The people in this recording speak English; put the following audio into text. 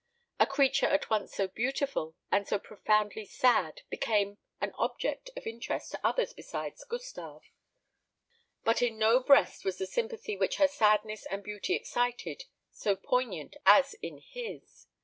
A creature at once so beautiful and so profoundly sad became an object of interest to others besides Gustave; but in no breast was the sympathy which her sadness and beauty excited so poignant as in his.